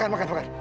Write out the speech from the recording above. makan makan makan